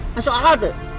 masuk akal tuh